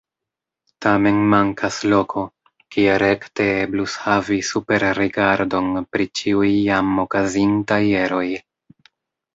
Tamen mankas loko, kie rekte eblus havi superrigardon pri ĉiuj jam okazintaj eroj.